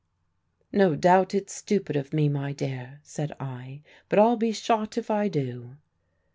"'No doubt it's stupid of me, my dear,' said I, 'but I'll be shot if I do.'